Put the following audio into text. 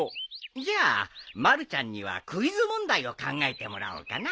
じゃあまるちゃんにはクイズ問題を考えてもらおうかな。